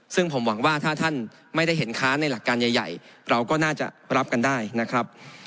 ซึ่งผมหวังว่าถ้าท่านไม่ได้เห็นค้าในหลักการใหญ่เราก็น่าจะรับกันได้นะครับ